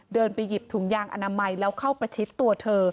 ไปหยิบถุงยางอนามัยแล้วเข้าประชิดตัวเธอ